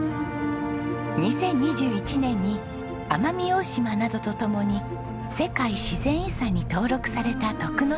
２０２１年に奄美大島などと共に世界自然遺産に登録された徳之島。